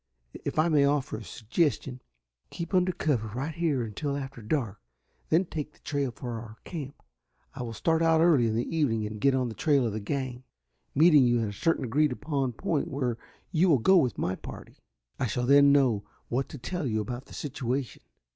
If I may offer a suggestion, keep under cover right here until after dark, then take the trail for our camp. I will start out early in the evening and get on the trail of the gang, meeting you at a certain agreed upon point, where you will go with my party. I shall then know what to tell you about the situation."